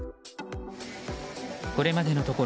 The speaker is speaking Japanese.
これまでのところ